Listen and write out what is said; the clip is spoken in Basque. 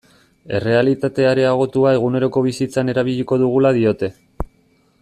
Errealitate areagotua eguneroko bizitzan erabiliko dugula diote.